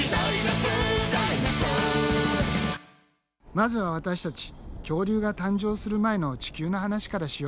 まずは私たち恐竜が誕生する前の地球の話からしよう。